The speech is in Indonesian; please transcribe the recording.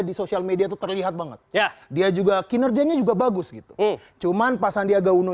di sosial media terlihat banget ya dia juga kinerjanya juga bagus gitu cuman pasandia gauno